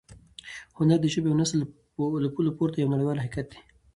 هنر د ژبې او نسل له پولو پورته یو نړیوال حقیقت دی.